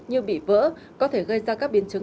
như bị vỡ có thể gây ra các biến chứng